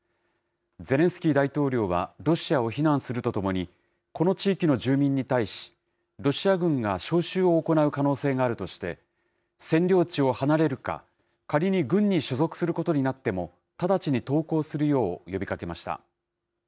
ゼレンスキー大統領はロシアを非難するとともに、この地域の住民に対し、ロシア軍が招集を行う可能性があるとして、占領地を離れるか、仮に軍に所属することになっても、直ちに投降するよう呼びかけました。